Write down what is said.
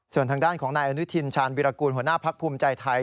ส่วนทางด้านของนายอนุทินชาญวิรากูลหัวหน้าพักภูมิใจไทย